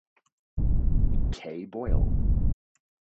Kay Boyle.